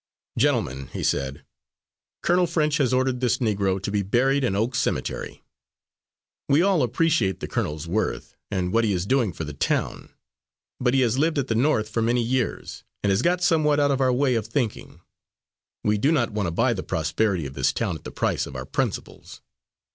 "Gentlemen," he said, "Colonel French has ordered this Negro to be buried in Oak Cemetery. We all appreciate the colonel's worth, and what he is doing for the town. But he has lived at the North for many years, and has got somewhat out of our way of thinking. We do not want to buy the prosperity of this town at the price of our principles.